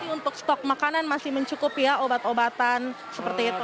untuk stok makanan masih mencukupi ya obat obatan seperti itu